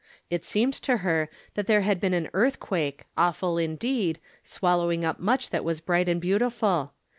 It seemed to her that there had been an earthquake, awful indeed, swallowing up much that was bright and beautiful.